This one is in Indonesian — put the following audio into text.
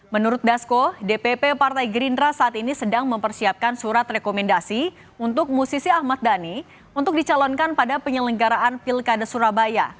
menurut dasko dpp partai gerindra saat ini sedang mempersiapkan surat rekomendasi untuk musisi ahmad dhani untuk dicalonkan pada penyelenggaraan pilkada surabaya